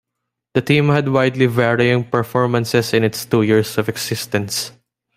The team had widely varying performances in its two years of existence.